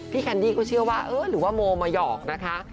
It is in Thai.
แคนดี้ก็เชื่อว่าเออหรือว่าโมมาหยอกนะคะ